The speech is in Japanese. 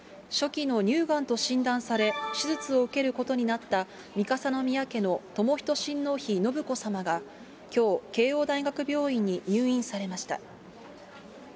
初期の乳がんと診断され、手術を受けることになった三笠宮家のともひと親王妃信子さまが、きょう、慶応大学病院に入院されました。